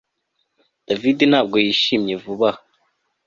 David ntabwo yishimye vuba aha